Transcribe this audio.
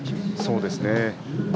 そうですね。